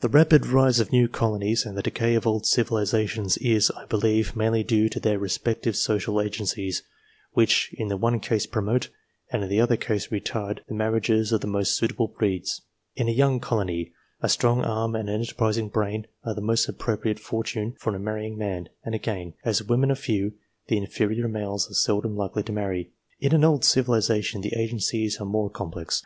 The rapid rise of new colonies and the decay of old civilizations is, I believe, mainly due to their respective social agencies, which in the one case promote, and in the other case retard, the marriages of the most suitable breeds. In a young colony, a strong arm and an enterprising brain are the most appropriate fortune for a marrying man, and again, as the women are few, the inferior males are seldom likely to marry. In an old civilization, the agencies are more complex.